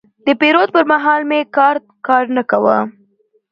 د پیرود پر مهال مې کارت کار نه کاوه.